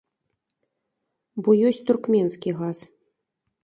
Бо ёсць туркменскі газ.